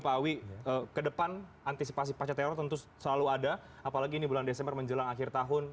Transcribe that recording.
pak awi ke depan antisipasi pasca teror tentu selalu ada apalagi ini bulan desember menjelang akhir tahun